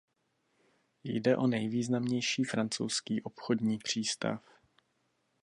Jde o nejvýznamnější francouzský obchodní přístav.